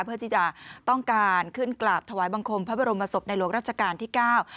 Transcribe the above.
เพื่อที่จะต้องการขึ้นกราบถวายบังคมพระบรมศพในหลวงราชการที่เก้า